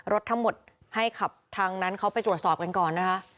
รถทั้งหมดให้ขับทางนั้นเขาไปตรวจสอบกันก่อนนะคะ